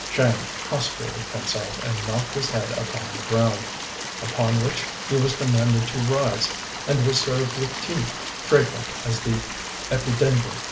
Chang prostrated himself, and knocked his head upon the ground; upon which he was commanded to rise, and was served with tea, fragrant as the epidendrum.